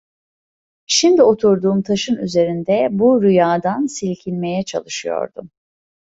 Şimdi oturduğum taşın üzerinde bu rüyadan silkinmeye çalışıyordum.